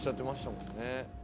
もんね